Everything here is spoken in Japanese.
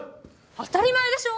当たり前でしょ！